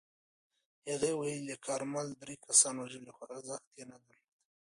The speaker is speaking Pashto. هغه ویلي، کارمل درې کسان وژلي خو ارزښت نه یې درلود.